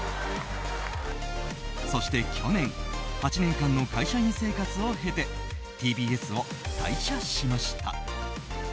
そして去年８年間の会社員生活を経てＴＢＳを退社しました。